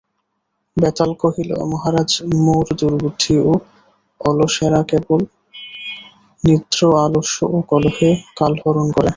বেতাল কহিল মহারাজ মূঢ় দুর্বুদ্ধি ও অলসেরাকেবল নিদ্রা আলস্য ও কলহে কালহরণ করে।